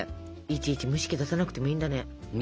いちいち蒸し器出さなくてもいいんだね。ね！